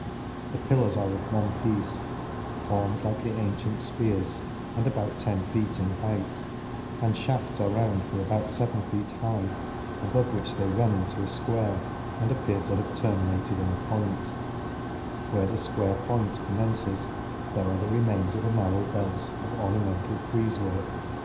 — The pillars are of one piece, formed like the antient fpears, and about ten feet in height; — the fliafts are round for about fevcn feet high, above which they run into a fquare, and appear to have termi nated in a point ; where the fquare point commences, there are the remains of a xjarrow belt of ornamental frize work.